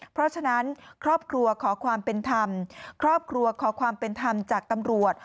เพราะฉะนั้นครอบครัวขอความเป็นธรรมครอบครัวขอความเป็นธรรมจากตำรวจ